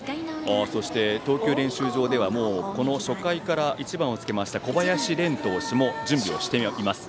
そして投球練習場では初回から、１番をつけました小林廉投手も準備をしています。